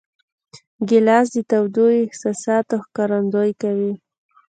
ګیلاس د تودو احساساتو ښکارندویي کوي.